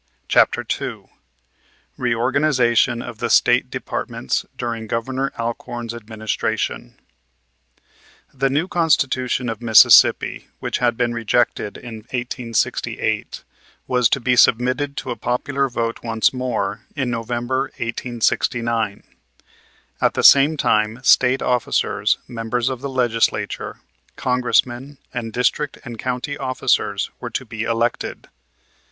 CHAPTER II REORGANIZATION OF THE STATE DEPARTMENTS DURING GOVERNOR ALCORN'S ADMINISTRATION The new Constitution of Mississippi, which had been rejected in 1868, was to be submitted to a popular vote once more in November, 1869. At the same time State officers, members of the Legislature, Congressmen, and district and county officers were to be elected.